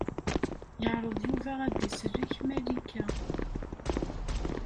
Yeɛṛeḍ Yuba ad d-isellek Malika.